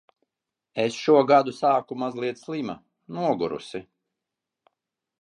Es šo gadu sāku mazliet slima, nogurusi.